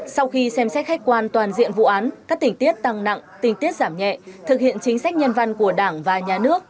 sau khi xem xét khách quan toàn diện vụ án các tình tiết tăng nặng tình tiết giảm nhẹ thực hiện chính sách nhân văn của đảng và nhà nước